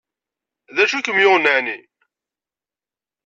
D acu ay kem-yuɣen ɛni?